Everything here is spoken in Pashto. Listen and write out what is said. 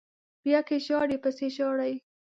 بیا که ژاړئ پسې ژاړئ